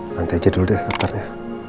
nanti aja dulu deh latarnya